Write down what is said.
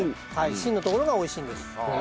芯のところが美味しいんです。